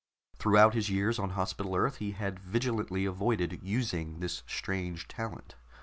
Throughout his years on Hospital Earth he had vigilantly avoided using this strange talent.